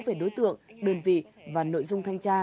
về đối tượng đơn vị và nội dung thanh tra